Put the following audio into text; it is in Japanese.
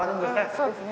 そうですね。